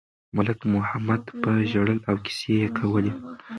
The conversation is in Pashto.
ملک محمد به ژړل او کیسې یې کولې.